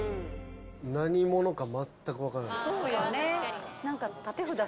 何者か、全く分からない。